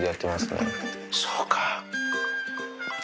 そうか。